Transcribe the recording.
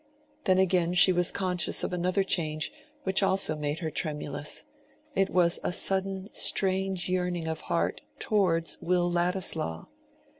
Then again she was conscious of another change which also made her tremulous; it was a sudden strange yearning of heart towards Will Ladislaw.